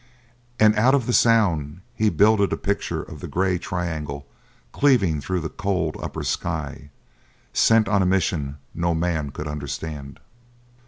And out of the sound he builded a picture of the grey triangle cleaving through the cold upper sky, sent on a mission no man could understand.